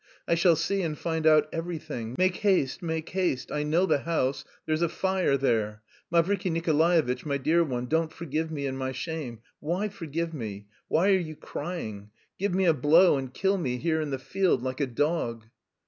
I shall see and find out everything. Make haste, make haste, I know the house... there's a fire there.... Mavriky Nikolaevitch, my dear one, don't forgive me in my shame! Why forgive me? Why are you crying? Give me a blow and kill me here in the field, like a dog!"